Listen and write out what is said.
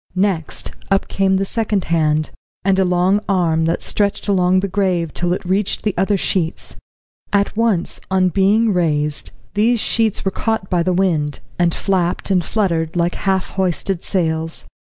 Next, up came the second hand, and a long arm that stretched along the grave till it reached the other sheets. At once, on being raised, these sheets were caught by the wind, and flapped and fluttered like half hoisted sails.